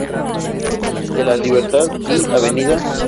De la Libertad y Av.